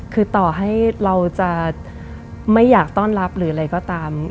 คือต่อให้เราจะไม่อยากต้อนรับหรืออะไรก็ตาม